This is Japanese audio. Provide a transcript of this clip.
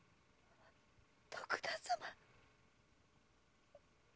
徳田様！